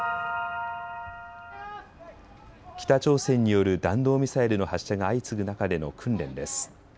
北朝鮮による弾道ミサイルの発射が相次ぐ中での訓練です。